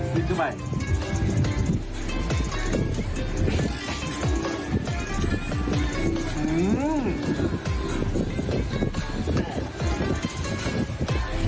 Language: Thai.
กินเข้าไป